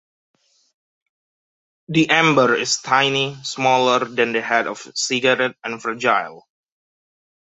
The ember is tiny, smaller than the head of a cigarette, and fragile.